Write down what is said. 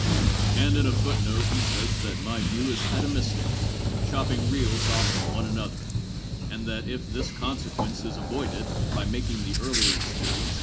" And in a foot note he says that my view is atomistic, chopping reals off from one another, and that if ' this consequence is avoided by making the earlier experience con 'Vol.